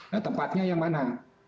nah tempatnya yang mana